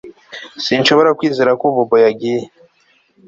Sinshobora kwizera ko Bobo yagiye